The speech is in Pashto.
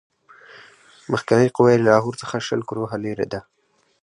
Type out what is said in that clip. مخکنۍ قوه یې له لاهور څخه شل کروهه لیري ده.